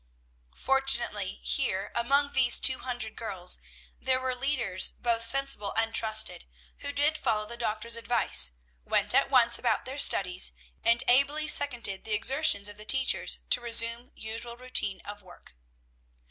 Fortunately here, among these two hundred girls, there were leaders both sensible and trusted, who did follow the doctor's advice, went at once about their studies, and ably seconded the exertions of the teachers to resume the usual routine of work.